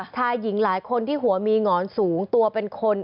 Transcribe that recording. ชายหญิงหลายคนที่หัวมีหงอนสูงตัวเป็นคน